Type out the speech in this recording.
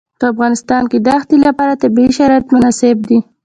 په افغانستان کې د ښتې لپاره طبیعي شرایط مناسب دي.